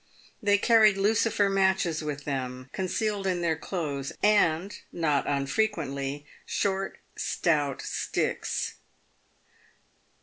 They carried lucifer matches with them, con cealed in their clothes, and, not unfrequently, short, stout sticks.